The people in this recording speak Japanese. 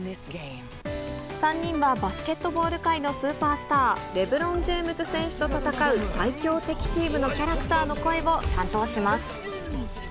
３人は、バスケットボール界のスーパースター、レブロン・ジェームズ選手と戦う最強敵チームのキャラクターの声を担当します。